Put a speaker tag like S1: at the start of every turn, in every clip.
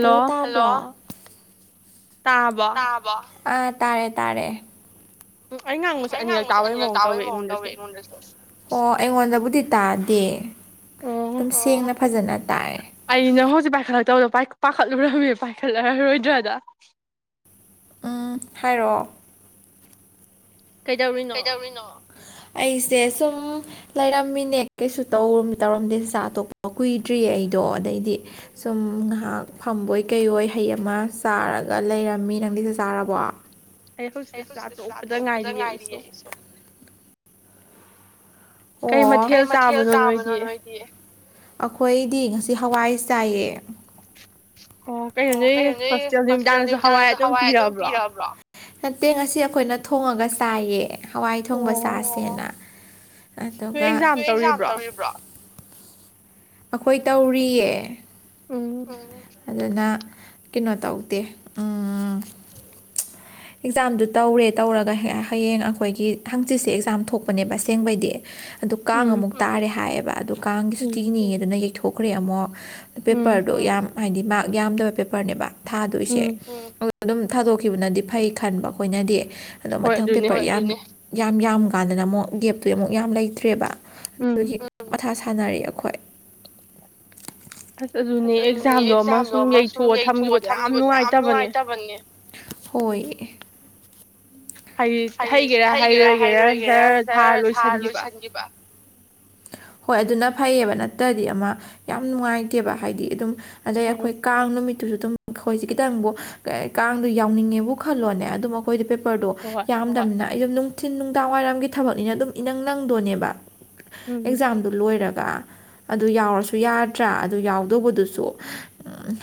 S1: hello ꯇꯥꯕꯣ ꯇꯥꯔꯕꯣ ꯑ ꯇꯥꯔꯦ ꯇꯥꯔꯦ ꯑꯩ ꯉꯥꯡꯕꯁꯤ ꯑꯅꯤꯔꯛ ꯇꯥꯕꯩ ꯃꯥꯥꯑꯣꯡ ꯇꯧꯋꯣ ꯑꯩꯉꯣꯟꯗꯁꯨ ꯑꯣ ꯑꯩꯉꯣꯟꯗꯕꯨꯗꯤ ꯇꯥꯗꯦ ꯑꯗꯨꯝ ꯁꯦꯡꯅ ꯐꯖꯅ ꯇꯥꯏꯑꯦ
S2: ꯑꯩꯅ ꯍꯧꯖꯤꯛ ꯄꯥꯏꯈꯠꯂꯛꯇꯕꯗꯣ ꯄꯥꯈꯠꯂꯨꯨꯔꯃꯤ ꯄꯥꯏꯈꯠꯂꯔꯣꯏꯗ꯭ꯔꯥꯅ
S1: ꯎꯝ ꯍꯥꯏꯔꯛꯑꯣ ꯀꯩꯗꯧꯔꯤꯅꯣ ꯑꯩꯁꯦ ꯁꯨꯝ ꯂꯩꯔꯝꯃꯤꯅꯦ ꯀꯩꯁꯨ ꯇꯧꯔꯝ ꯇꯧꯔꯝꯗꯦ ꯆꯥꯇꯣꯛꯄ ꯀꯨꯏꯗ꯭ꯔꯤꯌꯦ ꯑꯩꯗꯣ ꯑꯗꯩꯗꯤ ꯁꯨꯝ ꯉꯥꯍꯥꯛ ꯐꯝꯕꯣꯏ ꯀꯩꯑꯣꯏ ꯍꯩ ꯑꯃ ꯆꯥꯔꯒ ꯂꯩꯔꯝꯃꯤ ꯅꯪꯗꯤ ꯆꯥꯛ ꯆꯥꯔꯕꯣ
S2: ꯑꯩ ꯍꯧꯖꯤꯛꯇ ꯆꯥꯇꯣꯛꯄꯗ ꯉꯥꯏꯔꯤꯌꯦ ꯑꯩꯁꯨ
S1: ꯑꯣ ꯀꯩ ꯃꯊꯦꯜ ꯆꯥꯕꯅꯣ ꯅꯣꯏ ꯑꯈꯣꯏꯗꯤ ꯉꯁꯤ ꯍꯋꯥꯏ ꯆꯥꯏꯌꯦ ꯑꯣ ꯀꯩꯅꯣ ꯅꯣꯏꯒꯤ ꯍꯣꯁꯇꯦꯜ ꯅꯨꯃꯤꯗꯥꯡꯁꯨ ꯍꯋꯥꯏ ꯑꯗꯨꯝ ꯄꯤꯔꯕ꯭ꯔꯣ ꯅꯠꯇꯦ ꯉꯁꯤ ꯑꯩꯈꯣꯏꯅ ꯊꯣꯡꯉꯒ ꯆꯥꯏꯌꯦ ꯍꯋꯥꯏ ꯊꯣꯡꯕ ꯆꯥꯁꯦꯅ ꯑꯗꯨꯒ ꯅꯣꯢ ꯑꯦꯛꯖꯥꯝ ꯇꯧꯔꯤꯕ꯭ꯔꯣ ꯑꯩꯈꯣꯏ ꯇꯧꯔꯤꯌꯦ ꯑꯗꯨꯅ ꯀꯩꯅꯣ ꯇꯧꯗꯦ ꯎꯝ ꯑꯦꯛꯖꯥꯝꯗꯨ ꯇꯧꯔꯦ ꯇꯧꯔꯒ ꯍꯌꯦꯡ ꯑꯩꯈꯣꯏꯒꯤ ꯍꯪꯆꯤꯠꯁꯦ ꯑꯦꯛꯖꯥꯝ ꯊꯣꯛꯄꯅꯦꯕ ꯑꯁꯦꯡꯕꯩꯗꯤ ꯑꯗꯨ ꯀꯥꯡ ꯑꯃꯨꯛ ꯇꯥꯔꯦ ꯍꯥꯏꯌꯦꯕ ꯑꯗꯨ ꯀꯥꯡꯒꯤ ꯁꯨꯇꯤꯅꯤ ꯑꯗꯨꯅ ꯌꯩꯊꯣꯛꯈ꯭ꯔꯦ ꯑꯃꯨꯛ ꯄꯦꯄꯔꯗꯣ ꯌꯥꯝ ꯍꯥꯏꯗꯤ ꯃꯥꯔꯛ ꯌꯥꯝꯗꯕ ꯄꯦꯄꯔꯅꯦꯕ ꯊꯥꯗꯣꯏꯁꯦ ꯑꯗꯨꯝ ꯊꯥꯗꯣꯛꯈꯤꯕꯅꯗꯤ ꯐꯩ ꯈꯟꯕ ꯑꯩꯈꯣꯏꯅꯗꯤ ꯑꯗꯣ ꯃꯊꯪ ꯄꯦꯄꯔ ꯌꯥꯝ ꯌꯥꯝ ꯌꯥꯝ ꯀꯥꯟꯗꯅ ꯑꯃꯨꯛ ꯒꯦꯞꯇꯨ ꯑꯃꯨꯛ ꯌꯥꯝ ꯂꯩꯇ꯭ꯔꯦꯕ ꯑꯗꯨꯒꯤ ꯃꯊꯥ ꯁꯥꯟꯅꯔꯤ ꯑꯩꯈꯣꯏ
S2: [unintelligible] ꯑꯁ ꯑꯗꯨꯅꯦ ꯑꯦꯛꯖꯥꯝꯗꯣ ꯑꯃ ꯁꯨꯝ ꯌꯩꯊꯣꯛꯑ ꯊꯝꯒꯤꯕꯗꯣ ꯌꯥꯝ ꯅꯨꯡꯉꯥꯏꯇꯕꯅꯦ
S1: ꯍꯣꯏꯌꯦ ꯍꯩ ꯍꯩꯒꯦꯔꯥ ꯍꯩꯔꯣꯏꯒꯦꯔꯥ ꯖꯔ ꯊꯥꯔ ꯂꯣꯏꯁꯤꯟꯈꯤꯕ ꯍꯣꯏ ꯑꯗꯨꯅ ꯐꯩꯌꯦꯕ ꯅꯠꯇ꯭ꯔꯗꯤ ꯑꯃ ꯌꯥꯝ ꯅꯨꯡꯉꯥꯏꯇꯦꯕ ꯍꯥꯏꯗꯤ ꯑꯗꯨꯝ ꯑꯗꯩ ꯑꯩꯈꯣꯏ ꯀꯥꯡ ꯅꯨꯃꯤꯠꯇꯨꯁꯨ ꯑꯗꯨꯝ ꯑꯩꯈꯣꯏꯁꯦ ꯈꯤꯇꯪꯕꯨ ꯀꯥꯡꯗꯣ ꯌꯥꯎꯅꯤꯡꯉꯦꯕꯨ ꯈꯜꯂꯣꯅꯦ ꯑꯗꯨꯝ ꯑꯩꯈꯣꯏꯗ ꯄꯦꯄꯔꯗꯣ
S2: ꯍꯣꯢ
S1: ꯅꯨꯡꯊꯤꯟ ꯅꯨꯡꯏꯔꯝꯒꯤ ꯊꯕꯛꯅꯤꯅ ꯏꯅꯪ ꯅꯪꯗꯣꯅꯦꯕ ꯑꯦꯛꯖꯥꯝ ꯑꯗꯨ ꯂꯣꯏꯔꯒ ꯑꯗꯨ ꯌꯥꯎꯔꯁꯨ ꯌꯥꯗ꯭ꯔꯥ ꯑꯗꯨ ꯌꯥꯎꯗꯧꯕꯗꯨꯁꯨ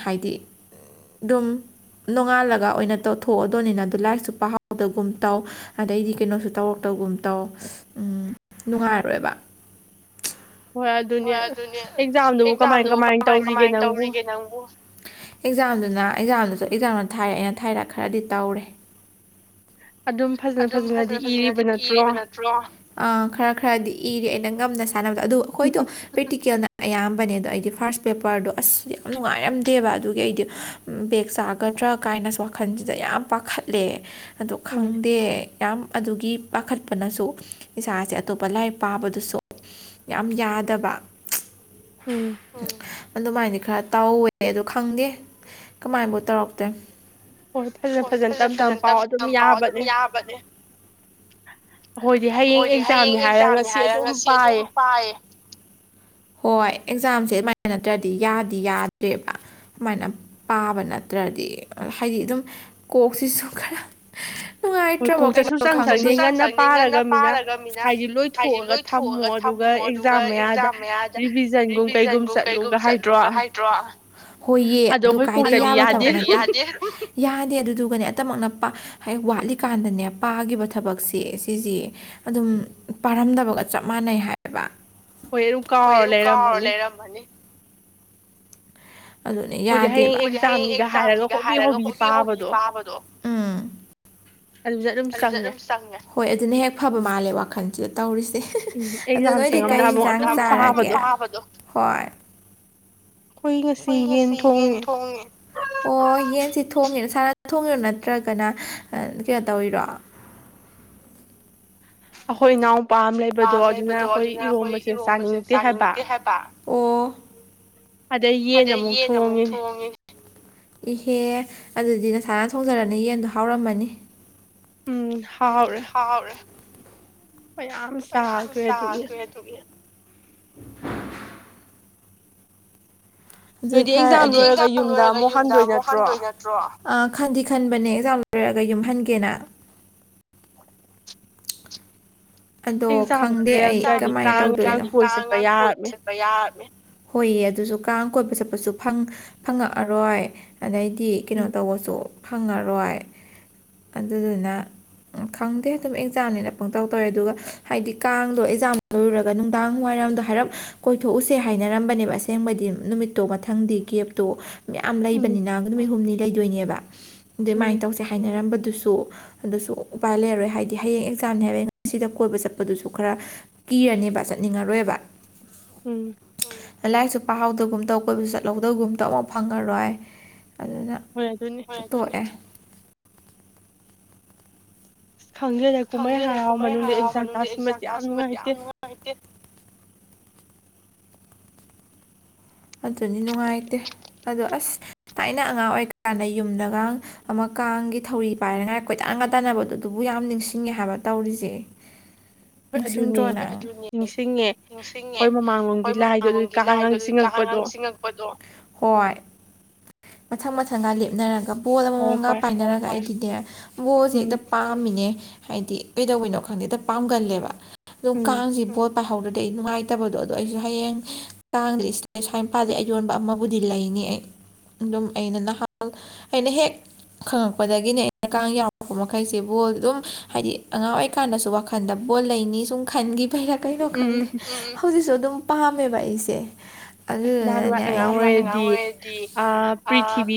S1: ꯍꯥꯏꯗꯤ ꯑꯗꯨꯝ ꯅꯣꯡꯉꯥꯜꯂꯒ ꯑꯣꯏꯅ ꯇꯧꯊꯣꯛꯑꯗꯣꯅꯤꯅ ꯑꯗꯨ ꯂꯥꯏꯔꯤꯛꯁꯨ ꯄꯍꯥꯎꯗꯒꯨꯝ ꯇꯧ ꯑꯗꯩꯗꯤ ꯀꯩꯅꯣꯁꯨ ꯇꯧꯔꯛꯇꯒꯨꯝ ꯇꯧ ꯅꯨꯡꯉꯥꯏꯔꯣꯏꯕ
S2: ꯍꯣꯏ ꯑꯗꯨꯅꯦ ꯑꯦꯛꯖꯥꯝꯗꯨꯕꯨ ꯀꯃꯥꯏ ꯀꯃꯥꯏ ꯇꯧꯔꯤꯒꯦ ꯅꯪꯕꯨ
S1: ꯅꯪꯕꯨ ꯑꯦꯛꯖꯥꯝꯗꯨꯅ ꯑꯦꯛꯖꯥꯝꯗꯨꯁꯨ ꯑꯦꯛꯖꯥꯝꯅ ꯊꯥꯏꯔ ꯑꯩꯅ ꯊꯥꯏꯔ ꯈꯔꯗꯤ ꯇꯧꯔꯦ
S2: ꯑꯗꯨꯝ ꯐꯖꯅ ꯐꯖꯅꯗꯤ ꯏꯔꯤꯕ ꯅꯠꯇ꯭ꯔꯣ
S1: ꯇ꯭ꯔꯣ ꯈꯔ ꯈꯔꯗꯤ ꯏꯔꯤ ꯑꯩꯅ ꯉꯝꯅ ꯁꯥꯟꯅꯕꯗꯣ ꯑꯗꯨ ꯑꯩꯈꯣꯏꯗꯣ ꯄ꯭ꯔꯦꯛꯇꯤꯀꯦꯜꯅ ꯑꯌꯥꯝꯕꯅꯦꯗꯣ ꯑꯩꯗꯤ ꯐꯥꯔꯁ ꯄꯦꯄꯔꯗꯣ ꯑꯁꯗꯤ ꯌꯥꯝ ꯅꯨꯡꯉꯥꯏꯔꯝꯗꯦꯕ ꯑꯗꯨꯒꯤ ꯑꯩꯗꯤ ꯎꯝ ꯕꯦꯒ ꯆꯥꯒꯗ꯭ꯔꯥ ꯀꯥꯏꯅꯁꯨ ꯋꯥꯈꯜꯁꯤꯗ ꯌꯥꯝ ꯄꯥꯈꯠꯂꯦ ꯑꯗꯣ ꯈꯪ ꯌꯥꯝ ꯑꯗꯨꯒꯤ ꯄꯥꯈꯠꯄꯅꯁꯨ ꯏꯁꯥꯁꯦ ꯑꯇꯣꯞꯄ ꯂꯥꯏꯛ ꯄꯥꯕꯗꯨꯁꯨ ꯌꯥꯝ ꯌꯥꯗꯕ
S2: ꯎꯝ
S1: ꯎꯝ ꯑꯗꯨꯃꯥꯏꯗꯤ ꯈꯔ ꯇꯧꯋꯦ ꯑꯗꯨ ꯈꯪꯗꯦ ꯀꯃꯥꯏꯅꯕꯨ ꯇꯧꯔꯛꯇꯣꯢꯝ ꯍꯣꯢ ꯐꯖꯅ ꯐꯖꯅ [unintelligible] ꯄꯥꯎ ꯑꯗꯨꯝ ꯌꯥꯕꯅꯦ
S2: ꯑꯩꯈꯣꯏꯗꯤ ꯍꯌꯦꯡ ꯑꯦꯛꯖꯥꯝꯅꯤ ꯍꯥꯏꯔ ꯉꯁꯤ ꯑꯗꯨꯝ ꯄꯥꯏꯌꯦ
S1: ꯍꯣꯏ ꯑꯦꯛꯖꯥꯝꯁꯦ ꯑꯃꯥꯏꯅ ꯅꯠꯇ꯭ꯔꯗꯤ ꯌꯥꯗꯤ ꯌꯥꯗ꯭ꯔꯦꯕ ꯁꯨꯃꯥꯏꯅ ꯄꯥꯕ ꯅꯠꯇ꯭ꯔꯗꯤ ꯍꯥꯏꯗꯤ ꯑꯗꯨꯝ ꯀꯣꯛꯁꯤꯁꯨ ꯈꯔ ꯅꯨꯡꯉꯥꯏꯇ꯭ꯔꯕ ꯀꯩꯅ ꯈꯪꯗꯦ ꯀꯣꯛꯇ ꯁꯨꯡꯆꯪ ꯆꯪꯗꯦ ꯉꯟꯅ ꯄꯥꯔꯒ ꯃꯤꯅ ꯍꯥꯏꯗꯤ ꯂꯣꯏ ꯊꯣꯛꯑꯒ ꯊꯝꯃꯣ ꯑꯗꯨꯒ ꯑꯦꯛꯖꯥꯝ ꯃꯌꯥꯗ ꯔꯤꯚꯤꯖꯟꯒꯨꯝ ꯀꯩꯒꯨꯝ ꯆꯠꯂꯨꯒ ꯍꯥꯏꯗ꯭ꯔꯣ ꯍꯣꯏꯌꯦ ꯑꯗꯨ ꯀꯥꯏꯗꯩꯪ ꯌꯥꯕ ꯊꯕꯛ ꯅꯠꯇꯦ ꯌꯥꯗꯦ ꯑꯗꯨꯗꯨꯒꯅꯦ ꯑꯥꯇꯃꯛꯅ ꯄ ꯋꯥꯠꯂꯤꯀꯥꯟꯗꯅꯦ ꯄꯥꯒꯤꯕ ꯊꯕꯛꯁꯤ ꯑꯁꯤꯁꯤ ꯑꯗꯨꯝ ꯄꯥꯔꯝꯗꯕꯒ ꯆꯞ ꯃꯥꯟꯅꯩ ꯍꯥꯏꯕ ꯍꯣꯏ ꯑꯗꯨꯝ ꯀꯥꯎꯔ ꯂꯩꯔꯝꯃꯥꯅꯤ ꯑꯗꯨꯅꯤ ꯌꯥꯗꯦꯕ ꯑꯈꯣꯢꯗꯤ ꯍꯌꯦꯡ ꯑꯦꯛꯖꯥꯝꯅꯤꯒ ꯍꯥꯏꯔꯒ ꯍꯣꯕꯤ ꯍꯣꯕꯤ ꯄꯥꯕꯗꯨ ꯑꯗꯨꯗꯤ ꯑꯗꯨꯝ ꯆꯪꯉꯦ ꯍꯣꯏ ꯑꯗꯨꯅ ꯍꯦꯛ ꯐꯕ ꯃꯥꯜꯂꯦ ꯋꯥꯈꯜꯁꯤꯗ ꯇꯧꯔꯤꯁꯦ ꯑꯗꯨ ꯅꯣꯏꯗꯤ ꯀꯔꯤ ꯌꯦꯟꯁꯥꯡ ꯆꯥꯔꯒꯦ ꯍꯣꯏ ꯑꯩꯈꯣꯏ ꯉꯁꯤ ꯌꯦꯟ ꯊꯣꯡꯉꯦ ꯑꯣ ꯌꯦꯟꯁꯤ ꯊꯣꯡꯉꯦ ꯅꯁꯥꯅ ꯊꯣꯡꯉꯤꯔꯣ ꯅꯠꯇ꯭ꯔꯒ ꯀꯩꯅꯣ ꯇꯧꯔꯤꯔꯣ
S2: ꯑꯩꯈꯣꯏ ꯏꯅꯥꯎ
S1: ꯄꯥ ꯑꯃ ꯂꯩꯕꯗꯣ ꯑꯗꯨꯅ ꯑꯩꯈꯣꯏ ꯏꯔꯣꯝꯕꯁꯦ ꯆꯥꯅꯤꯡꯗꯦ ꯍꯥꯏꯕ ꯑꯣ ꯑꯗꯩ ꯌꯦꯟ ꯑꯃꯨꯛ ꯊꯣꯡꯉꯤꯅꯦ ꯏꯍꯦ ꯑꯗꯨꯗꯤ ꯅꯁꯥꯅ ꯊꯣꯡꯖꯔꯝꯅꯤꯅ ꯌꯦꯟꯗꯣ ꯍꯥꯎꯔꯝꯃꯅꯤ
S2: ꯎꯝ ꯍꯥꯎꯔꯦ
S1: ꯥꯍꯥꯎꯔꯦ
S2: ꯃꯌꯥꯝ ꯆꯥꯒ꯭ꯔꯦ ꯑꯗꯨꯒꯤ
S1: ꯑꯗꯨꯒꯤ ꯑꯗꯨꯗꯤ ꯐꯔꯦ ꯑꯗꯨꯗꯤ ꯑꯦꯛꯖꯥꯝ ꯂꯣꯏꯔꯒ ꯌꯨꯝꯗ ꯑꯃꯨꯛ ꯍꯟꯗꯣꯏ ꯅꯠ ꯇ꯭ꯔꯣ ꯑꯥ ꯈꯟꯗꯤ ꯈꯟꯕꯅꯦ ꯑꯦꯛꯖꯥꯝ ꯂꯣꯏꯔꯒ ꯌꯨꯝ ꯍꯟꯒꯦꯅ ꯑꯗꯣ ꯈꯪꯗꯦ ꯑꯩ ꯀꯃꯥꯏꯅ ꯇꯧꯗꯣꯏꯅꯣ ꯍꯣꯏꯌꯦ ꯑꯗꯨꯁꯨ ꯀꯥꯡ ꯀꯣꯏꯕ ꯆꯠꯄꯁꯨ ꯐꯪꯉꯛꯑꯔꯣꯏ ꯑꯗꯩꯗꯤ ꯀꯩꯅꯣ ꯇꯧꯕꯁꯨ ꯐꯪꯉꯔꯣꯏ ꯑꯗꯨꯗꯨꯅ ꯈꯪꯗꯦ ꯑꯗꯨꯝ ꯑꯦꯛꯖꯥꯝꯅꯤꯅ ꯄꯪꯇꯧ ꯇꯧꯋꯦ ꯑꯗꯨꯒ ꯍꯥꯏꯗꯤ ꯀꯥꯡꯗꯣ ꯑꯦꯛꯖꯥꯝ ꯂꯣꯏꯔꯨꯔꯒ ꯅꯨꯡꯗꯥꯡ ꯋꯥꯏꯔꯝꯗꯣ ꯍꯥꯏꯔꯞ ꯀꯣꯏꯊꯣꯛꯎꯁꯦ ꯍꯥꯏꯅꯔꯝꯕꯅꯦꯕ ꯑꯥ ꯑꯁꯦꯡꯕꯗꯤ ꯅꯨꯃꯤꯠꯇꯣ ꯃꯊꯪꯗꯤ ꯒꯦꯞꯇꯣ ꯃꯌꯥꯝ ꯂꯩꯕꯅꯤꯅ ꯅꯨꯃꯤꯠ ꯍꯨꯝꯅꯤ ꯂꯩꯗꯣꯏꯅꯦꯕ ꯑꯗꯨꯃꯥꯏꯅ ꯇꯧꯁꯦ ꯍꯥꯏꯅꯔꯝꯕꯗꯨꯁꯨ ꯑꯗꯨꯁꯨ ꯎꯄꯥꯏ ꯂꯩꯔꯔꯣꯏ ꯍꯥꯏꯗꯤ ꯍꯌꯦꯡ ꯑꯦꯛꯖꯥꯝꯅꯦ ꯍꯥꯏꯕꯩ ꯉꯁꯤꯗ ꯀꯣꯏꯕ ꯆꯠꯄꯗꯨꯁꯨ ꯈꯔ ꯀꯤꯔꯅꯤꯕ ꯆꯠꯅꯤꯡꯉꯔꯣꯏꯕ
S2: ꯎꯝ
S1: ꯂꯥꯏꯔꯤꯛꯁꯨ ꯄꯥꯍꯧꯗꯒꯨꯝ ꯇꯧ ꯀꯣꯏꯕꯁꯨ ꯆꯠꯍꯧꯗꯒꯨꯝꯇꯧ ꯑꯃꯣꯛ ꯐꯪꯉꯔꯣꯏ ꯑꯗꯨꯅ
S2: ꯍꯣꯏ ꯑꯗꯨꯅꯤ
S1: ꯇꯣꯛꯑꯦ ꯈꯪꯗꯦꯅꯦ ꯀꯨꯝꯍꯩ ꯍꯔꯥꯎ ꯃꯅꯨꯡꯗ ꯑꯦꯛꯖꯥꯝ ꯇꯥꯁꯤꯟꯕꯁꯤ ꯌꯥꯝ ꯅꯨꯡꯉꯥꯏꯇꯦ ꯑꯗꯨꯅꯤ ꯅꯨꯡꯉꯥꯏꯇꯦ ꯑꯗꯣ ꯑꯁ ꯊꯥꯏꯅ ꯑꯉꯥꯡ ꯑꯣꯏꯀꯥꯟꯗ ꯌꯨꯝꯗꯒꯥꯡ ꯑꯃ ꯀꯥꯡꯒꯤ ꯊꯧꯔꯤ ꯄꯥꯏꯔꯉꯥꯏ ꯀꯣꯏꯇꯥꯟꯒ ꯇꯥꯟꯅꯕꯗꯨ ꯑꯗꯨꯕꯨ ꯌꯥꯝ ꯅꯤꯡꯁꯤꯡꯉꯦ ꯍꯥꯏꯕ ꯇꯧꯔꯤꯁꯦ
S2: [inaudible] ꯍꯣꯏ ꯑꯗꯨꯅꯦ ꯅꯤꯡꯁꯤꯡꯉꯦ ꯑꯈꯣꯏ ꯃꯃꯥꯡꯂꯣꯝꯒꯤ ꯂꯥꯏꯗꯣ ꯑꯗꯨꯢ ꯀꯥꯡꯒꯥꯡ ꯆꯤꯡꯉꯛ
S1: ꯀꯥꯡꯒꯥꯡ ꯆꯤꯡꯂꯛꯄꯗꯣ ꯍꯣꯏ ꯃꯊꯪ ꯃꯊꯪꯒ ꯂꯦꯞꯅꯔꯒ ꯕꯣꯜ ꯑꯃꯃꯝꯒ ꯄꯥꯏꯅꯔꯒ ꯑꯩꯗꯤꯅꯦ ꯕꯣꯜꯁꯦ ꯍꯦꯛꯇ ꯄꯥꯝꯃꯤꯅꯦ ꯍꯥꯏꯗꯤ ꯀꯩꯗꯧꯕꯩꯅꯣ ꯈꯪꯗꯦꯗ ꯄꯥꯝꯒꯜꯂꯦꯕ ꯑꯗꯨꯝ ꯀꯥꯡꯁꯤ ꯕꯣꯜ ꯄꯥꯏꯍꯧꯔꯗꯤ ꯑꯩ ꯅꯨꯡꯉꯥꯏꯇꯕꯗꯣ ꯑꯗꯣ ꯑꯩꯁꯨ ꯍꯌꯦꯡ [unintelligible] ꯑꯩꯁꯥꯏ ꯃꯥꯄꯖꯦ ꯑꯌꯣꯟꯕ ꯑꯃꯕꯨꯗꯤ ꯂꯩꯅꯤ ꯑꯩ ꯑꯗꯨꯝ ꯑꯩꯅ ꯅꯍꯥꯟ ꯑꯩꯅ ꯍꯦꯛ ꯈꯪꯉꯛꯄꯗꯒꯤꯅꯦ ꯑꯩꯅ ꯀꯥꯡ ꯌꯥꯎꯔꯛꯄ ꯃꯈꯩꯁꯤ ꯕꯣꯜ ꯑꯗꯨꯝ ꯍꯥꯏꯗꯤ ꯑꯉꯥꯡꯑꯣꯢ ꯀꯥꯟꯗꯁꯨ ꯋꯥꯈꯟꯗ ꯕꯣ ꯂꯩꯅꯤ ꯁꯨꯝ ꯈꯟꯈꯤꯕ ꯀꯩꯅꯣ ꯈꯪꯗꯦ ꯍꯧꯖꯤꯛꯁꯨ ꯑꯗꯨꯝ ꯄꯥꯝꯃꯦꯕ ꯑꯩꯁꯦ ꯑꯗꯨꯗꯨꯅꯅꯦ ꯑꯩꯒꯤ ꯑꯉꯥꯡ ꯑꯣꯏꯔꯗꯤ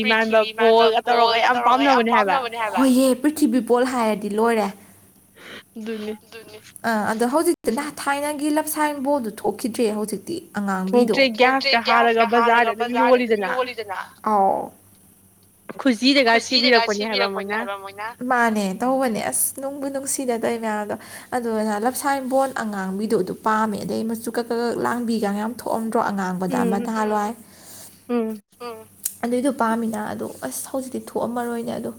S1: ꯄ꯭ꯔꯤꯊꯤꯕꯤ ꯃꯥꯟꯕ ꯣꯜꯒ ꯇꯧꯔꯒ ꯌꯥꯝ ꯄꯥꯝꯅꯕꯅꯦ ꯍꯥꯏ ꯍꯣꯏꯍꯦ ꯄ꯭ꯔꯤꯊꯤꯕꯤ ꯄꯣꯜ ꯍꯥꯏꯔꯗꯤ ꯂꯣꯏꯔꯦ
S2: ꯅꯤ
S1: ꯑꯥ ꯑꯗꯣ ꯍꯧꯖꯤꯛꯇꯤ ꯊꯥꯏꯅꯒꯤ ꯂꯞꯁꯥꯏꯕꯣꯗ ꯊꯣꯛꯈꯤꯗ꯭ꯔꯦ ꯍꯧꯖꯤꯛꯇꯤ ꯑꯉꯥꯡꯕꯤꯗꯣ ꯊꯣꯛꯇꯦ ꯒꯌꯥꯁꯀ ꯍꯥꯔꯒ ꯕꯖꯥꯔꯗ ꯑꯗꯨꯝ ꯌꯣꯜꯂꯤꯗꯅ ꯑ ꯈꯨꯖꯤꯗꯒ ꯁꯤꯕꯤꯔꯛꯄꯅꯦ ꯍꯥꯏꯕ ꯃꯣꯏꯅ ꯃꯥꯥꯟꯅꯦ ꯇꯧꯕꯅꯦ ꯑꯁ ꯅꯨꯡꯕꯨ ꯅꯨꯡꯁꯤꯅ ꯇꯧꯋ ꯃꯌꯥꯝꯗꯣ ꯑꯗꯨ ꯂꯞꯁꯥ ꯏꯕꯣꯣꯟ ꯑꯉꯥꯡꯕꯤꯗꯣ ꯑꯗꯨ ꯄꯥꯝꯃꯦ ꯑꯗꯩ ꯃꯆꯨ ꯀꯛ ꯀ ꯀꯛ ꯂꯥꯡꯕꯤꯒꯒ ꯌꯥꯝ ꯊꯣꯛꯑꯝꯗ꯭ꯔꯣ ꯑꯉꯥꯡ ꯗꯥ ꯑꯃ ꯊ ꯍꯥꯂ ꯑꯗꯨꯏꯗꯨꯣ ꯄꯥꯝꯃꯤꯅ ꯑ ꯑꯁ ꯍꯧꯖꯤꯛꯇꯤ ꯊꯣꯛꯑꯝꯃꯔꯣꯏꯅꯦ ꯑꯗꯨ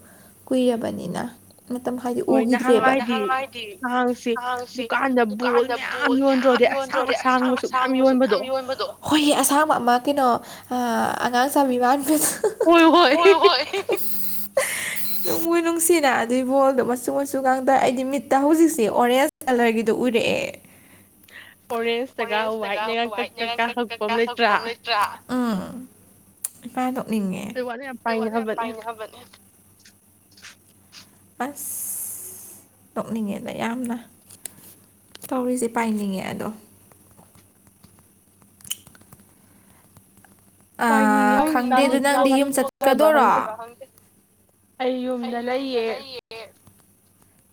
S1: ꯀꯨꯏꯔꯕꯅꯤꯅ ꯃꯇꯝ ꯍꯥꯏꯗꯤ ꯎꯈꯤꯗ꯭ꯔꯦꯕ ꯑꯗ ꯍꯪ ꯍꯥꯏꯗꯤ ꯍꯥꯡꯁꯦ ꯗꯨꯀꯥꯟꯗ ꯕꯣꯜ ꯃꯌꯥꯝ ꯌꯣ ꯈꯟ꯭ꯔꯣꯗꯤ ꯑꯁꯥꯡ ꯑꯁꯥꯡꯕꯁꯨ ꯀꯌꯥꯝ ꯌꯣꯟꯕꯗꯣ ꯍꯣꯏꯍ ꯑꯁꯥꯡꯕ ꯑꯃ ꯀꯩꯅꯣ ꯑꯉꯥꯡ ꯆꯥꯕꯤ ꯃꯕꯤꯗ ꯍꯣꯏ ꯍꯣꯏ
S2: [inaudible]
S1: ꯅꯨꯡꯕꯨꯨ ꯅꯨꯡꯁꯤꯅ ꯑꯗꯨꯏ ꯕꯣꯜꯗꯣ ꯃꯆꯨ ꯃꯆꯨꯒꯗ ꯑꯩꯗꯤ ꯃꯤꯠꯇ ꯍꯧꯖꯤꯛꯁꯤꯦ ꯑꯣꯔꯦꯟꯖ ꯀꯂꯔꯒꯤꯗꯨ ꯎꯔꯛꯑꯦ
S2: ꯑꯣꯔꯦꯟꯖꯇꯒ ꯋꯥꯏꯠꯅꯦꯒ ꯀꯛ ꯀꯛꯀ
S1: ꯍꯄ ꯂꯩꯇ꯭ꯔ ꯎꯝ ꯏꯄꯥꯥꯏꯗꯣꯛꯅꯤꯡꯉꯦ ꯋꯥ ꯄꯥꯏ ꯑꯁ ꯅꯣꯛꯅꯤꯡꯉꯦꯅ ꯌꯥꯝꯅ ꯇꯧꯔꯤꯁꯦ ꯄꯥꯏꯅꯤꯡꯉꯦ ꯑꯗꯣ
S2: ꯄꯥꯏꯅꯤꯡꯉꯤꯦ ꯍꯧꯖꯤꯛꯀꯥꯟꯅꯤꯕꯣꯒ ꯌꯣꯛꯈ꯭ꯔꯕ ꯈꯪꯗꯦ ꯑꯩ ꯌꯨꯝꯗ ꯂꯩꯌꯦ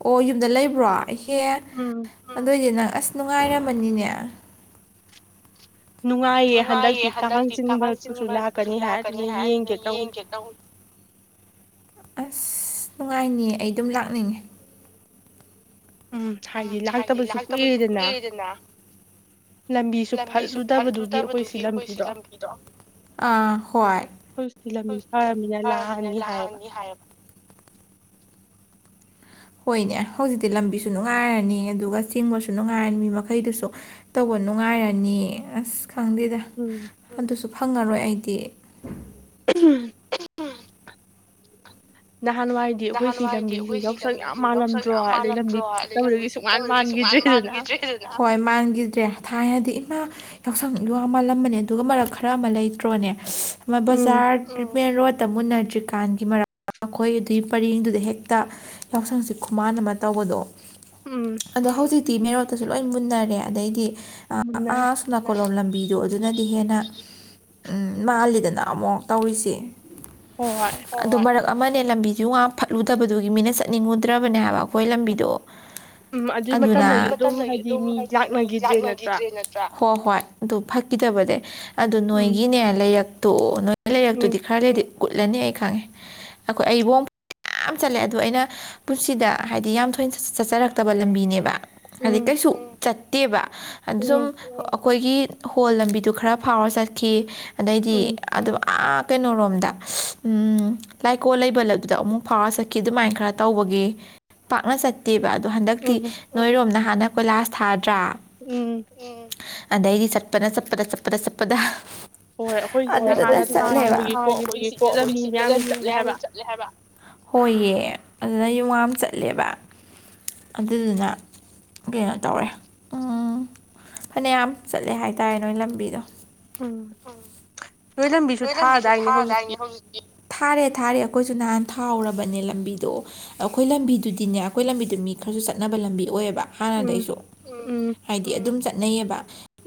S1: ꯑꯣ ꯌꯨꯝꯗ ꯂꯩꯕ꯭ꯔꯣ ꯏꯍꯦ
S2: ꯎꯝ
S1: ꯑꯗꯨꯑꯣꯏꯗꯤ ꯅꯪ ꯑꯁ ꯅꯨꯡꯉꯥꯏꯔꯝꯃꯅꯤꯅꯦ
S2: ꯅꯨꯡꯉꯥꯏꯌꯦ ꯍꯟꯗꯛꯇꯤ ꯀꯥꯡ ꯆꯤꯡꯕ ꯀꯩꯁꯨ ꯂꯥꯛꯀꯅꯤ ꯍꯥꯏꯗꯨꯅ ꯌꯦꯡꯒꯦ ꯇꯧꯅꯤ [inaudible]
S1: ꯑꯁ ꯅꯨꯡꯉꯥꯏꯅꯤꯌꯦ ꯑꯩ ꯑꯗꯨꯝ ꯂꯥꯛꯅꯤꯡꯉꯦ ꯎꯝ ꯍꯥꯏꯗꯤ ꯂꯥꯛꯇꯕꯁꯨ ꯀꯨꯏꯦꯗꯅ ꯂꯝꯕꯤꯁꯨ ꯐꯠꯂꯨꯗꯕꯗꯨꯒꯤ ꯑꯩꯈꯣꯏ ꯁꯤ ꯂꯝꯕꯤꯗꯣ ꯑꯥ ꯍꯣꯏ ꯍꯧꯖꯤꯖꯤ ꯂꯝꯕꯤ ꯐꯔꯅꯤꯅ ꯂꯥꯛꯑꯅꯤ ꯍꯥꯏꯔꯕ ꯍꯣꯏꯅꯦ ꯍꯧꯖꯤꯛꯇꯤ ꯂꯝꯕꯤꯁꯨ ꯅꯨꯡꯉꯥꯏꯔꯅꯤ ꯑꯗꯨꯒ ꯆꯤꯡꯕꯁꯨ ꯅꯨꯡꯉꯥꯏꯔ ꯃꯤ ꯃꯈꯩꯗꯨꯁꯨ ꯇꯧꯕ ꯅꯨꯡꯉꯥꯏꯔꯅꯤ ꯑꯁ ꯈꯪꯗꯦꯗ
S2: ꯎꯝ
S1: ꯑꯗꯨꯁꯨ ꯐꯪꯉꯔꯣꯏ ꯑꯩꯗꯤ
S2: ꯎꯝ ꯅꯍꯥꯟꯋꯥꯏ ꯗꯤ ꯑꯩꯈꯣꯏꯁꯤ ꯂꯝꯕꯤꯁꯤ ꯌꯥꯎꯁꯪ ꯌꯥꯝ ꯃꯥꯜꯂꯝꯗ꯭ꯔꯣ ꯑꯗꯩ ꯂꯝꯕꯤ ꯐꯠꯇꯕꯗꯒꯤ ꯁꯨꯡꯃꯥꯟ ꯃꯥꯟꯈꯤꯗ꯭ꯔꯦꯗꯅ
S1: ꯍꯣꯏ ꯃꯥꯡꯈꯤꯗ꯭ꯔꯦ ꯊꯥꯏꯅꯗꯤ ꯏꯃꯥ ꯌꯥꯎꯁꯪ ꯌ ꯃꯥꯜꯂꯝꯕꯅꯦ ꯑꯗꯨꯒ ꯃꯔꯛ ꯈꯔ ꯑꯃ ꯂꯩꯇ꯭ꯔꯣꯅꯦ ꯕꯖꯥꯔ ꯇꯔꯤꯃꯦꯟ ꯔꯣꯗꯇ ꯃꯨꯟꯅꯗ꯭ꯔꯤꯀꯥꯟꯒꯤ ꯃꯔꯛ ꯃꯈꯣꯏ ꯑꯗꯨ ꯑꯗꯨꯏ ꯄꯔꯦꯡꯗꯨꯗ ꯍꯦꯛꯇ ꯌꯥꯎꯁꯪꯁꯤ ꯈꯨꯃꯥꯟ ꯑꯃ ꯇꯧꯕꯗꯣ
S2: ꯎꯝ
S1: ꯑꯗꯣ ꯍꯧꯖꯤꯛꯇꯤ ꯅꯦꯔꯣꯠꯇꯁꯨ ꯂꯣꯏ ꯃꯨꯟꯅꯔꯦ ꯑꯗꯩꯗꯤ
S2: ꯃꯟꯅ
S1: ꯅꯥꯀꯣꯂꯣꯝ ꯂꯝꯕꯤꯗꯣ ꯑꯗꯨꯅꯗꯤ ꯍꯦꯟꯅ ꯎꯝ ꯃꯥꯜꯂꯤꯗꯅ ꯑꯃꯨꯛ ꯇꯧꯔꯤꯁꯤ
S2: ꯍꯣꯏ ꯍꯣꯏ
S1: ꯑꯗꯨ ꯃꯔꯛ ꯑꯃꯅꯦ ꯂꯝꯕꯤꯗ ꯉ ꯐꯠꯂꯨꯗꯕꯗꯨꯒꯤ ꯃꯤꯅ ꯆꯠꯅꯤꯡꯉꯨꯗ꯭ꯔꯕꯅꯦ ꯍꯥꯏꯕ ꯑꯩꯈꯣꯏ ꯂꯝꯕꯤꯗꯣ ꯑꯗꯨꯅ ꯃꯇꯝꯗꯒꯤ ꯑꯗꯨꯝ ꯍꯥꯏꯗꯤ ꯃꯤ ꯂꯥꯛꯅꯈꯤꯗ꯭ꯔꯦꯅ ꯍꯣꯏ ꯍꯣꯏ ꯑꯗꯨ ꯐꯈꯤꯗꯕꯅꯦ ꯑꯗꯨ ꯅꯣꯏꯒꯤꯅꯦ ꯂꯩꯔꯛꯇꯣ ꯅꯣꯏ ꯂꯩꯔꯛꯇꯨꯗꯤ ꯈꯔ ꯂꯩꯗꯤ ꯎꯨꯠꯂꯅꯤ ꯑꯩ ꯈꯪꯉꯦ ꯑꯩꯈꯣꯏ ꯑꯩꯕꯣꯝ ꯌꯥꯝ ꯆꯠꯂꯦ ꯑꯗꯣ ꯑꯩꯅ ꯄꯨꯟꯁꯤꯗ ꯍꯥꯏꯗꯤ ꯌꯥꯝ ꯊꯣꯏꯅ ꯆꯠꯆꯔꯛꯇꯕ ꯂꯝꯕꯤꯅꯦꯕ ꯍꯥꯏꯩ ꯀꯩꯁꯨ ꯆꯠꯇꯦꯕ ꯑꯗꯨ ꯁꯨꯝ ꯑꯩꯈꯣꯏꯒꯤ ꯍꯣꯜ ꯂꯝꯕꯤꯗꯨ ꯈꯔ ꯐꯥꯎꯔꯒ ꯆꯠꯈꯤ ꯑꯗꯩꯗꯤ ꯑꯗꯨ ꯑꯥ ꯀꯩꯅꯣꯔꯣꯝꯗ ꯂꯥꯏꯀꯣꯜ ꯂꯩꯕꯂ ꯑꯗꯨꯗ ꯑꯃꯨꯛ ꯐꯥꯎꯔ ꯆꯠꯈꯤ ꯑꯗꯨꯃꯥꯏꯅ ꯈꯔ ꯇꯧꯕꯒꯤ ꯄꯥꯛꯅ ꯆꯠꯇꯦꯕ ꯑꯗꯣ ꯍꯟꯗꯛꯇꯤ ꯅꯣꯏꯔꯣꯝ ꯅꯍꯥꯟꯅ ꯀꯣꯏꯂꯥꯁ ꯊꯥꯗ꯭ꯔꯥ
S2: ꯎꯝ
S1: ꯎꯝ ꯑꯗꯩꯗꯤ ꯆꯠꯄꯗ ꯆꯠꯄꯗ ꯆꯠꯄꯗ ꯆꯠꯄꯗ ꯑꯗꯨ ꯆꯠꯂꯦꯕ ꯍꯥꯏꯈꯤꯕꯒꯤ ꯀꯣ ꯑꯩꯒꯤ ꯁꯤꯗꯅ ꯃꯤ ꯃꯌꯥꯝꯅ ꯆꯠꯂꯦ ꯍꯥꯏꯕ ꯍꯣꯏꯌꯦ ꯑꯗꯨꯅ ꯌꯨꯉꯥꯝ ꯆꯠꯂꯦꯕ ꯑꯗꯨꯗꯨꯅ ꯀꯩꯅꯣ ꯇꯧꯔꯦ ꯎꯝ ꯐꯅꯌꯥꯝ ꯆꯠꯂꯦ ꯍꯥꯏꯇꯥꯔꯦ ꯅꯣꯏ ꯂꯝꯕꯤꯗꯣ
S2: ꯎꯝ
S1: ꯎꯝ ꯂꯣꯏꯂꯝꯕꯤꯁꯨ ꯊꯥꯗꯥꯏꯅꯦ ꯍꯧꯖꯤꯛ ꯊꯥꯔꯦ ꯊꯥꯔꯦ ꯑꯩꯈꯣꯏꯁꯨ ꯅꯍꯥꯟ ꯊꯥꯎꯔꯕꯅꯦ ꯂꯝꯕꯤꯗꯣ ꯑꯩꯈꯣꯏ ꯂꯝꯕꯤꯗꯨꯗꯤꯅꯦ ꯑꯩꯈꯣꯏ ꯂꯝꯕꯤꯗꯨ ꯃꯤ ꯈꯔꯁꯨ ꯆꯠꯅꯕ ꯂꯝꯕꯤ ꯑꯣꯏꯌꯦꯕ ꯍꯥꯟꯅ ꯗꯩꯩ ꯁꯨ ꯍꯥꯏꯗꯤ ꯑꯗꯨꯝ ꯆꯠꯅꯩꯌꯦꯕ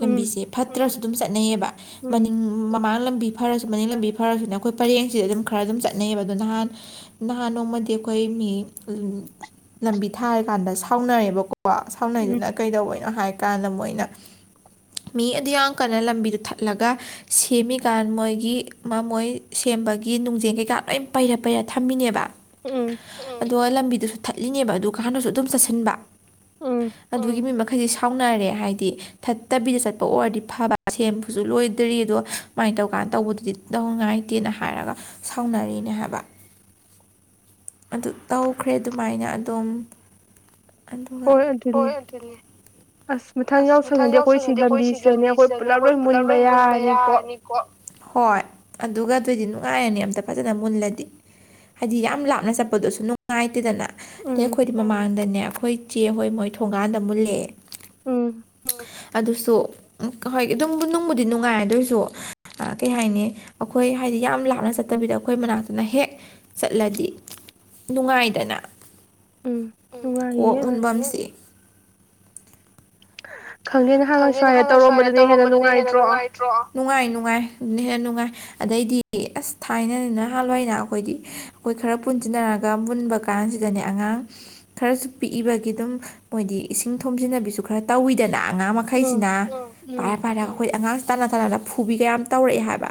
S1: ꯂꯝꯕꯤꯁꯦ ꯐꯠꯇ꯭ꯔꯁꯨ ꯑꯗꯨꯝ ꯆꯠꯅꯩꯌꯦꯕ ꯃꯅꯤꯡ ꯃꯃꯥꯡ ꯂꯝꯕꯤ ꯐꯔꯁꯨ ꯃꯅꯤꯡ ꯂꯝꯕꯤ ꯐꯔꯁꯨꯅꯦ ꯑꯩꯈꯣꯏ ꯄꯔꯦꯡꯁꯤꯗ ꯑꯗꯨꯝ ꯈꯔ ꯑꯗꯨꯝ ꯆꯠꯅꯩꯌꯦꯕ ꯑꯗꯨ ꯅꯍꯥꯟ ꯅꯍꯥꯟ ꯅꯣꯡꯃꯗꯤ ꯑꯩꯈꯣꯏ ꯃꯤ ꯂꯝꯕꯤ ꯊꯥꯔꯀꯥꯟꯗ ꯁꯥꯎꯅꯔꯦꯕꯀꯣ ꯀ ꯁꯥꯎꯅꯩꯗꯨꯅ ꯀꯩꯗꯧꯕꯅꯣ ꯍꯥꯏ ꯀꯥꯟꯗ ꯃꯣꯏꯅ ꯃꯤ ꯑꯗꯨ ꯌꯥꯝ ꯀꯟꯅ ꯂꯝꯕꯤꯗ ꯊꯠꯂꯒ ꯁꯦꯝꯃꯤꯀꯥꯟ ꯃꯣꯏ ꯑꯗꯒꯤ ꯃ ꯃꯣꯏ ꯁꯦꯝꯕꯒꯤ ꯅꯨꯡꯖꯦꯟ ꯀꯩꯀꯥ ꯂꯣꯏ ꯄꯩꯔ ꯄꯩꯔ ꯊꯝꯃꯤꯅꯦꯕ ꯑꯗꯨꯒ ꯂꯝꯕꯤꯗꯨꯁꯨ ꯊꯠꯂꯤꯅꯦꯕ ꯑꯗꯨ ꯀ ꯍꯥꯟꯅꯁꯨ ꯑꯗꯨꯝ ꯆꯠꯁꯤꯟꯕ ꯑꯗꯨꯒꯤ ꯃꯤ ꯍꯥꯏꯗꯤ ꯁꯥꯎꯅꯔꯦ ꯍꯥꯏꯗꯤ ꯊꯠꯇꯕꯤꯗ ꯆꯠꯄ ꯑꯣꯏꯔꯗꯤ ꯐꯕ ꯁꯦꯝꯕꯁꯨ ꯂꯣꯏꯗ꯭ꯔꯤ ꯑꯗꯣ ꯁꯃꯥꯏꯅ ꯇꯧ ꯀꯥꯏꯅ ꯇꯧꯕꯗꯨꯗꯤ ꯇꯧꯉꯥꯏꯇꯦꯅ ꯍꯥꯏꯔꯒ ꯁꯥꯎꯅꯔꯤꯅꯦ ꯍꯥꯏꯕ ꯑꯗꯨ ꯇꯧꯈ꯭ꯔꯦ ꯑꯗꯨꯃꯥꯏꯅ ꯑꯗꯨꯝ ꯑꯗꯨꯒ ꯍꯣꯏ ꯑꯗꯨꯅꯦ ꯑꯁ ꯃꯊꯪ ꯌꯥꯎꯁꯪꯅꯗꯤ ꯑꯩꯈꯣꯏ ꯁꯤ ꯂꯝꯕꯤꯁꯤꯗꯅꯦ ꯑꯩꯈꯣꯏ ꯄꯨꯜꯂꯞ ꯂꯣꯏ ꯃꯨꯟꯕ ꯌꯥꯔꯅꯤ ꯑꯣ ꯍꯣꯏ ꯑꯗꯨꯒ ꯑꯗꯨꯑꯣꯏꯗꯤ ꯅꯨꯡꯉꯥꯏꯔꯅꯤ ꯑꯝꯇ ꯐꯖꯅ ꯃꯨꯜꯂꯗꯤ ꯍꯥꯏꯗꯤ ꯌꯥꯝ ꯂꯥꯞꯅ ꯆꯠꯄꯗꯁꯨ ꯅꯨꯡꯉꯥꯏꯇꯦꯗꯅ ꯑꯗꯩ ꯑꯩꯈꯣꯏꯗꯤ ꯃꯃꯥꯡꯗꯅꯦ ꯑꯩꯈꯣꯏ ꯆꯦ ꯍꯣꯏ ꯃꯣꯏ ꯊꯣꯡꯒꯥꯟꯗ ꯃꯨꯜꯂꯛꯑꯦ
S2: ꯎꯝ
S1: ꯑꯗꯨꯁꯨ ꯍꯣꯏ ꯑꯗꯨꯝꯕꯨ ꯅꯨꯡꯕꯨꯗꯤ ꯅꯨꯡꯉꯥꯏ ꯑꯗꯨꯣꯏꯁꯨ ꯀꯩ ꯍꯥꯏꯅꯤ ꯑꯩꯈꯣꯏ ꯍꯥꯏꯗꯤ ꯌꯥꯝ ꯂꯥꯞꯅ ꯆꯠꯇꯕꯤꯗ ꯑꯩꯈꯣꯏ ꯃꯅꯥꯛꯇꯅ ꯍꯦꯛ ꯆꯠꯂꯗꯤ ꯅꯨꯡꯉꯥꯏꯗꯅ ꯎ ꯀꯣꯛ ꯍꯨꯟꯐꯝꯁꯦ ꯈꯪꯗꯦ ꯅꯍꯥꯟꯅ ꯁ꯭ꯋꯥꯏꯅ ꯇꯧꯔꯝꯕꯗꯨꯗꯤ ꯍꯦꯟꯅ ꯅꯨꯡꯉꯥꯏꯇ꯭ꯔꯣ ꯅꯨꯡꯉꯥꯏ ꯅꯨꯡꯉꯥꯏ ꯑꯗꯨꯅ ꯍꯦꯟꯅ ꯅꯨꯡꯉꯥꯏ ꯑꯗꯩꯗꯤ ꯑꯁ ꯊꯥꯏꯅꯅꯤꯅ ꯅꯍꯥꯂꯣꯏꯅ ꯑꯩꯈꯣꯏꯗꯤ ꯑꯩꯈꯣꯏ ꯈꯔ ꯄꯨꯟꯁꯤꯟꯅꯔꯒ ꯃꯨꯟꯕ ꯈ ꯀꯥꯟꯁꯤꯗꯅꯦ ꯑꯉꯥꯡ ꯈꯔꯁꯨ ꯄꯤꯛꯏꯕꯒꯤ ꯑꯗꯨꯝ ꯃꯣꯏꯗꯤ ꯏꯁꯤꯡ ꯊꯣꯝꯖꯤꯟꯅꯕꯤꯁꯨ ꯈꯔ ꯇꯧꯋꯤꯗꯅ ꯑꯉꯥꯡ ꯃꯈꯩꯁꯤꯅ ꯄꯥꯏꯔ ꯄꯥꯏꯔꯒ ꯑꯩꯈꯣꯏ ꯑꯉꯥꯡꯁꯤ ꯇꯥꯟꯅ ꯇꯥꯟꯅꯅ ꯐꯨꯕꯤ ꯀꯌꯥꯝ ꯇꯧꯔꯛꯑꯦ ꯍꯥꯏꯕ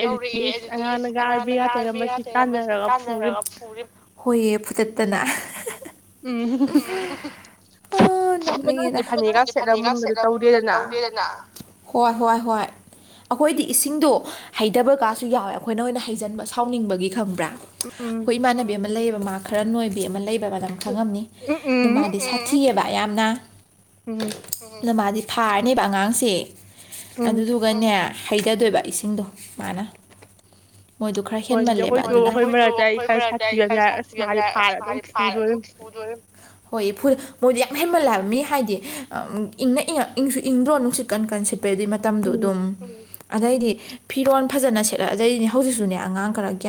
S1: ꯇꯧꯔꯛꯑꯦ ꯑꯗꯨꯅꯤ ꯑꯉꯥꯡꯅꯒꯕꯕꯤꯔꯥ ꯇꯔ ꯃꯁꯤ ꯇꯥꯟꯅꯔꯒ ꯄꯨꯔꯤ ꯍꯣꯏꯌꯦ ꯐꯨꯗꯠꯇꯅ
S2: ꯎꯝ
S1: ꯂꯠꯅꯩꯌꯦꯅ ꯍꯥꯏ ꯅꯥꯟꯗꯤ ꯐꯅꯦꯛꯒ ꯁꯦꯠꯂ ꯃꯨꯟꯒꯗ ꯇꯧꯗꯦꯗꯅ ꯍꯣꯏ ꯍꯣꯏ ꯍꯣꯏ ꯑꯩꯈꯣꯏꯗꯤ ꯏꯁꯤꯡꯗꯣ ꯍꯩꯇꯕ ꯀꯥꯁꯨ ꯌꯥꯎꯋꯦ ꯑꯩꯈꯣꯏꯅꯣꯏ ꯑꯣꯏꯅ ꯍꯩꯖꯟꯕ ꯁꯥꯎꯅꯤꯡꯕꯒꯤ ꯈꯪꯕ꯭ꯔꯥ ꯍꯣꯏ ꯏꯃꯥꯟꯅꯕꯤ ꯑꯃ ꯂꯩꯌꯦꯕ ꯃꯥ ꯈꯔ ꯅꯣꯏꯕꯤ ꯑꯃ ꯂꯩꯕ ꯈꯪꯉꯝꯅꯤ ꯑꯗꯨ ꯃꯥꯗꯤ ꯁꯥꯊꯤꯑꯕ ꯌꯥꯝꯅ
S2: ꯎꯝ
S1: ꯅꯃꯥꯗꯤ ꯐꯥꯔꯅꯦꯕ ꯑꯉꯥꯡꯁꯦ ꯑꯗꯨꯗꯨꯒꯅꯦ ꯍꯩꯊꯗꯣꯏꯕ ꯏꯁꯤꯡꯗꯣ ꯃꯥꯅ ꯃꯣꯏꯗꯣ ꯈꯔ ꯍꯦꯟꯃꯜꯂꯦꯕ ꯑꯗꯨꯅꯈꯣꯏꯈꯣꯏ ꯃꯔꯛꯇ ꯈꯔ ꯁꯥꯁ ꯃꯥꯥꯔ ꯑꯗꯨꯝ
S2: [unintelligible]
S1: ꯍꯣꯏ ꯐꯨꯜ ꯃꯣꯏꯗꯤ ꯌꯥꯝ ꯍꯦꯟꯃꯜꯂꯑꯕ ꯃꯤ ꯍꯥꯏꯗꯤ ꯏꯪ ꯏꯪꯁꯨ ꯏꯪꯗ꯭ꯔꯣ ꯅꯨꯡꯁꯤꯠꯀꯟ ꯀꯟ ꯁꯤꯠꯄꯗꯤ ꯃꯇꯝꯗꯨ ꯑꯗꯨꯝ ꯑꯗꯩꯗꯤ ꯐꯤꯔꯣꯟ ꯐꯖꯅ ꯁꯦꯠꯂꯛꯑꯗꯩꯅꯦ ꯍꯧꯖꯤꯛꯁꯨꯅꯦ ꯑꯉꯥꯡ ꯈꯔ ꯭ꯌꯥ ꯒꯌꯥꯟ